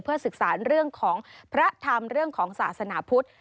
ศึกษาเรื่องของพระธรรมเรื่องของศาสนาพุทธ